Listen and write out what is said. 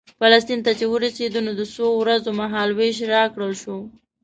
فلسطین ته چې ورسېدو د څو ورځو مهال وېش راکړل شو.